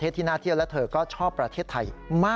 ใส่สบาย